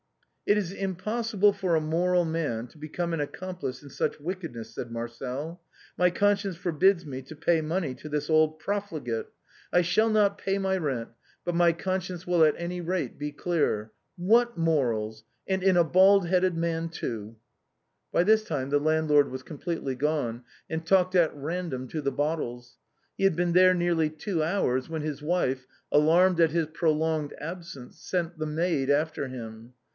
" It is impossible for a moral man to become an accom plice in such wickedness," said Marcel. " My conscience forbids me to pay money to this old profligate; I shall not musette's fancies. 369 pay my rent, but my conscience will at any rate be clear. What morals, and in a bald headed man too." By this time the landlord was completely gone, and talked at random to the bottles. He had been there nearly two hours, when his wife, alarmed at his prolonged ab sence, sent the maid after him.